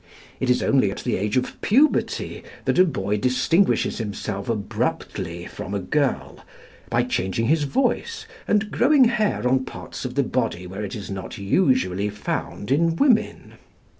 It is only at the age of puberty that a boy distinguishes himself abruptly from a girl, by changing his voice and growing hair on parts of the body where it is not usually found in women.